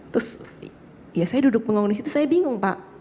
terus saya duduk pengunggung disitu saya bingung pak